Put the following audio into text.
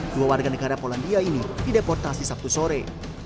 dua warga negara polandia ini dideportasi sabtu sore